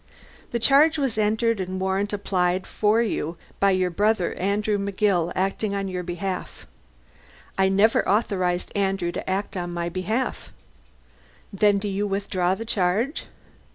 "The charge was entered and warrant applied for by your brother, Andrew McGill, acting on your behalf." "I never authorized Andrew to act on my behalf." "Then do you withdraw the charge?"